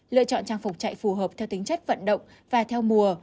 lựa chọn trang phục chạy phù hợp theo tính chất vận động và theo mùa